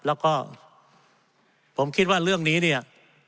แล้วก็ผมคิดว่าเรื่องนี้เนี่ย